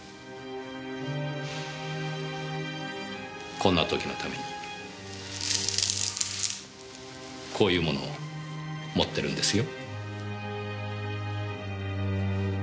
こんな時のためにこういうものを持ってるんですよ。